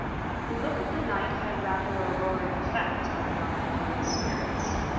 The look of the night had rather a lowering effect on young Holliday's spirits.